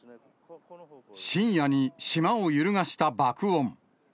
深夜に島を揺るがした爆音。